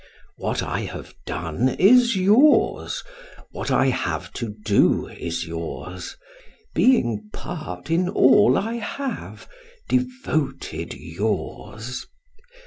What I have done is yours; what I have to do is yours; being part in all I have, devoted yours.